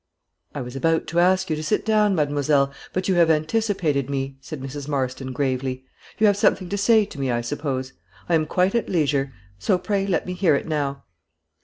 "I was about to ask you to sit down, mademoiselle, but you have anticipated me," said Mrs. Marston, gravely. "You have something to say to me, I suppose; I am quite at leisure, so pray let me hear it now."